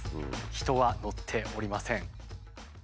人は乗っておりません。